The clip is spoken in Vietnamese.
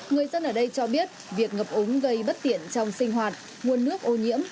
người dân ở đây cho biết việc ngập úng gây bất tiện trong sinh hoạt nguồn nước ô nhiễm